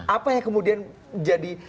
apa yang kemudian jadi